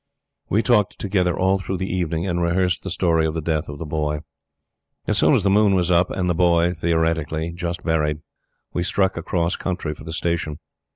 We talked together all through the evening, and rehearsed the story of the death of The Boy. As soon as the moon was up, and The Boy, theoretically, just buried, we struck across country for the Station.